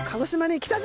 来たぞ！！